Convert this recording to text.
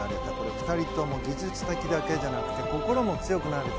２人とも技術的だけじゃなくて心も強くなれた。